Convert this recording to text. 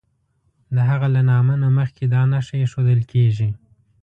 د هغه له نامه نه مخکې دا نښه ایښودل کیږي.